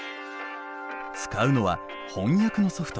使うのは翻訳のソフト。